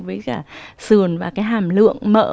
với cả sườn và cái hàm lượng mỡ